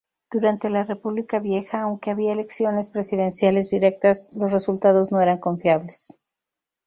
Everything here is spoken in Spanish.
Durante la República Vieja, aunque había elecciones presidenciales directas, los resultados no eran confiables.